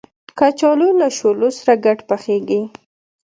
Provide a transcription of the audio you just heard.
کچالو له شولو سره ګډ پخېږي